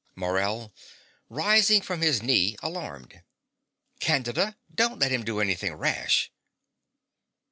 MORELL (rising from his knee, alarmed). Candida: don't let him do anything rash.